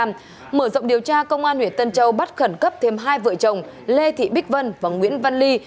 mở rộng điều tra công an huyện tân châu bắt khẩn cấp thêm hai vợ chồng lê thị bích vân và nguyễn văn ly